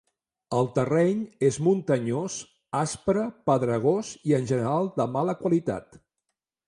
El terreny és muntanyós, aspre, pedregós i en general de mala qualitat.